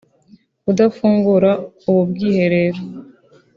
Kudafungura ubu bwiherero